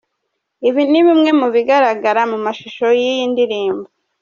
Ibi ni bimwe mu bigaragaraga mu mashusho y’iyi ndirimbo.